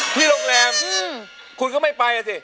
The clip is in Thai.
ที่โรงแรมคุณก็ไม่ไปอ่ะสิ